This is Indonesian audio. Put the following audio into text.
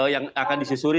yang akan disusuri